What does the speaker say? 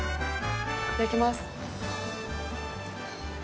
いただきます。